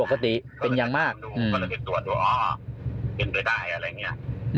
มีการดูประเทศตรวจดูออเห็นไปได้อะไรอย่างนี้